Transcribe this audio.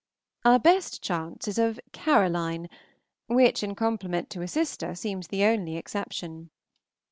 Our best chance is of "Caroline," which in compliment to a sister seems the only exception.